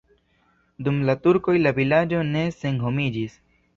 Dum la turkoj la vilaĝo ne senhomiĝis.